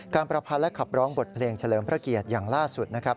ประพันธ์และขับร้องบทเพลงเฉลิมพระเกียรติอย่างล่าสุดนะครับ